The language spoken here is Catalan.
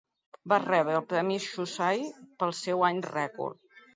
Va rebre el premi Shusai pel seu any rècord.